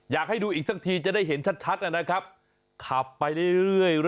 อยากให้ดูอีกสักทีจะได้เห็นชัดนะครับขับไปเรื่อย